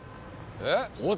えっ？